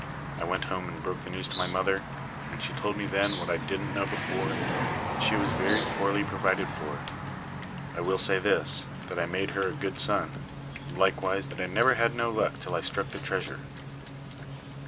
I went home and broke the news to my mother, and she told me then what I didn't know before, that she was very poorly provided for. I will say this, that I made her a good son; and likewise, that I never had no luck till I struck the Treasure.